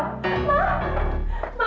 mas beritahu patricia